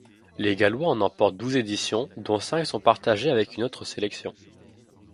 Les Gallois en emportent douze éditions, dont cinq sont partagées avec une autre sélection.